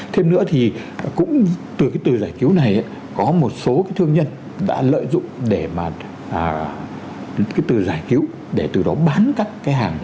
thêm nữa thì cũng từ cái từ giải cứu này có một số thương nhân đã lợi dụng để mà cái từ giải cứu để từ đó bán các cái hàng hóa hư hỏng ế ẩm